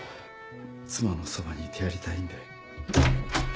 妻のそばにいてやりたいんで。